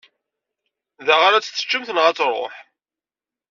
Da arq tt-teččemt neɣ ad tṛuḥ?